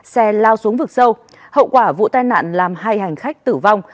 xe lao xuống vực sâu hậu quả vụ tai nạn làm hai hành khách tử vong